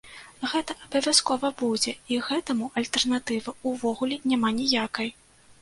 Гэта абавязкова будзе і гэтаму альтэрнатывы ўвогуле няма ніякай.